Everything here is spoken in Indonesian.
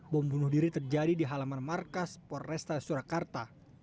bom bunuh diri terjadi di halaman markas poresta surakarta